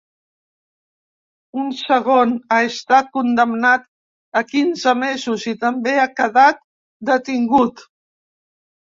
Un segon, ha estat condemnat a quinze mesos i també ha quedat detingut.